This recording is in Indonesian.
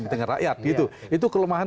kepentingan rakyat gitu itu kelemahan